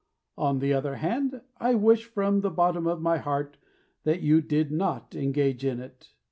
On the other hand, I wish from the bottom of my heart That you did not engage in it.